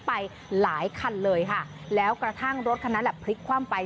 ไปหลายคันเลยค่ะแล้วกระทั่งรถคันนั้นแหละพลิกคว่ำไป